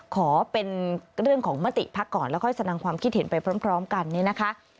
ขอเป็นเรื่องของมติพักก่อนแล้วค่อยแสดงความคิดเห็นไปพร้อมกันเนี่ยนะคะ